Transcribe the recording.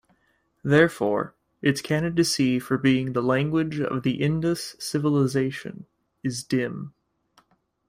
Therefore, its candidacy for being the language of the Indus Civilization is dim.